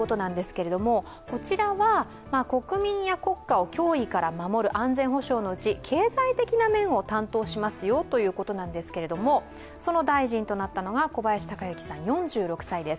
こちらは国民や国家を脅威から守る安全保障のうち経済的な面を担当しますよということなんですけれども、その大臣となったのが小林鷹之さん４６歳です。